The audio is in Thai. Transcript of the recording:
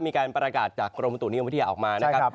มีการประกาศจากกรมประตุนิยมวิทยาออกมานะครับ